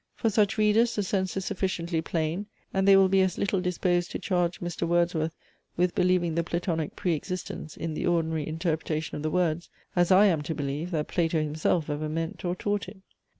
For such readers the sense is sufficiently plain, and they will be as little disposed to charge Mr. Wordsworth with believing the Platonic pre existence in the ordinary interpretation of the words, as I am to believe, that Plato himself ever meant or taught it.